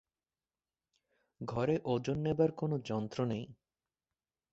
ঘরে ওজন নেবার কোনো যন্ত্র নেই।